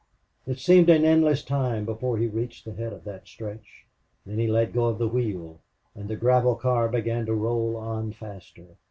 It seemed an endless time before he reached the head of that stretch. Then he let go of the wheel. And the gravel car began to roll on faster.